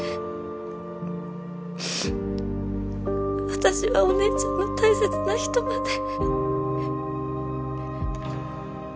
私はお姉ちゃんの大切な人まで。